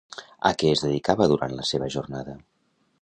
A què es dedicava durant la seva jornada?